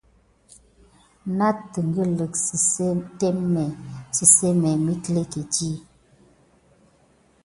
Nat migurin témé sisene məglekini.